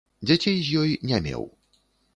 Дзяцей з ёй не меў.